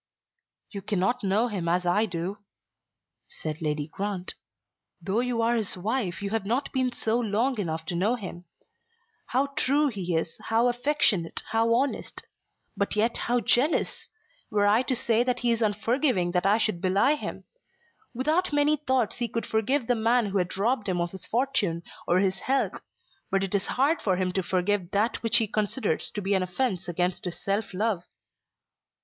"You cannot know him as I do," said Lady Grant. "Though you are his wife you have not been so long enough to know him; how true he is, how affectionate, how honest; but yet how jealous! Were I to say that he is unforgiving I should belie him. Without many thoughts he could forgive the man who had robbed him of his fortune, or his health. But it is hard for him to forgive that which he considers to be an offence against his self love."